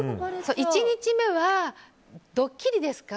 １日目はドッキリですか？